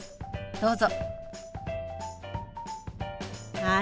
どうぞ。